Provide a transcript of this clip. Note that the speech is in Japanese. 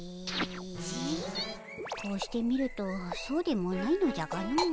こうして見るとそうでもないのじゃがのう。